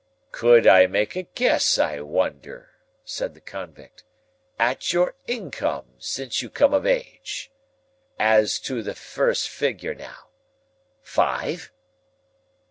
"Could I make a guess, I wonder," said the Convict, "at your income since you come of age! As to the first figure now. Five?"